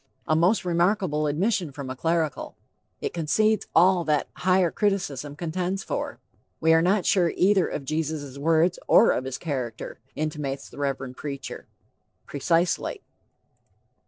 A most remarkable admission from a clerical! It concedes all that higher criticism contends for. We are not sure either of Jesus' words or of his character, intimates the Reverend preacher. Precisely.